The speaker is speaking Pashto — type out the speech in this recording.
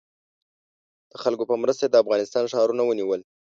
د خلکو په مرسته یې د افغانستان ښارونه ونیول.